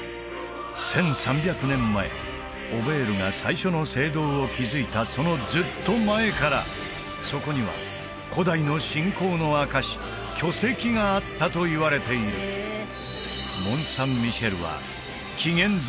１３００年前オベールが最初の聖堂を築いたそのずっと前からそこには古代の信仰の証し巨石があったといわれているモン・サン・ミシェルは紀元前